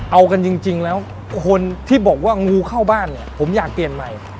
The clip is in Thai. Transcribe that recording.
เอากันจริงแล้วคนที่บอกว่างูเข้าบ้านเนี่ยผมอยากเปลี่ยนใหม่